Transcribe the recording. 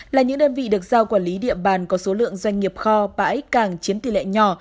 là những đơn vị được giao quản lý địa bàn có số lượng doanh nghiệp kho bãi cảng chiếm tỷ lệ nhỏ